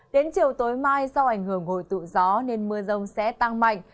đến chiều tối mai do ảnh hưởng hồi tụ gió nên mưa rông sẽ tăng mạnh